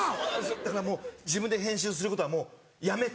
だからもう自分で編集することはもうやめて。